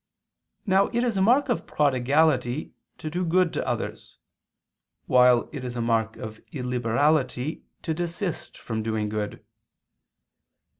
Now it is a mark of prodigality to do good to others; while it is a mark of illiberality to desist from doing good.